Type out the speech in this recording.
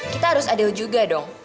kita harus adel juga dong